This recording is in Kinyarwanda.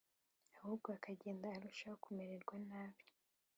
ahubwo akagenda arushaho kumererwa nabi